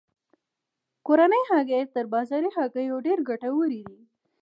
کورنۍ هګۍ تر بازاري هګیو ډیرې ګټورې دي.